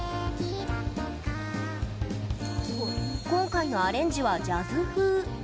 今回のアレンジは、ジャズ風。